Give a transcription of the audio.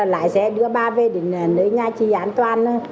lái xe đưa ba về để nơi nhà chị an toàn